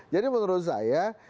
jadi menurut saya